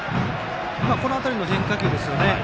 この辺りの変化球ですね。